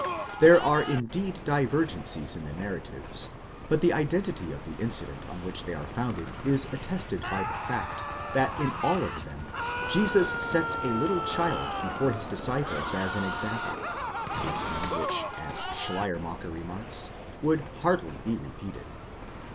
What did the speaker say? There are indeed divergencies in the narratives, but the identity of the incident on which they are founded is attested by the fact, that in all of them, Jesus sets a little child before his disciples as an example; a scene which, as Schleiermacher remarks,! would hardly be repeated.